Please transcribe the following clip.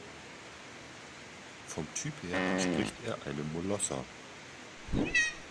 Vom Typ her entspricht er einem Molosser.